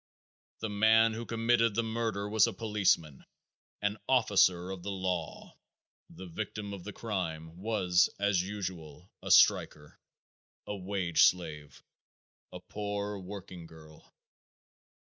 The man who committed the murder was a policeman, an officer of the law; the victim of the crime was as usual a striker, a wage slave, a poor working girl.